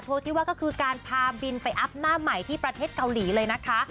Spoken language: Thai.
ที่ว่าก็คือการพาบินไปอัพหน้าใหม่ที่ประเทศเกาหลีเลยนะคะ